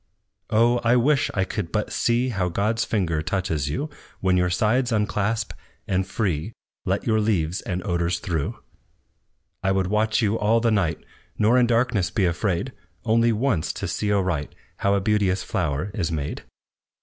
"Oh! I wish I could but see How God's finger touches you, When your sides unclasp, and free, Let your leaves and odors through. "I would watch you all the night, Nor in darkness be afraid, Only once to see aright How a beauteous flower is made.